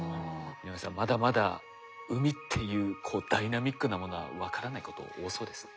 井上さんまだまだ海っていうこうダイナミックなものは分からないこと多そうですね。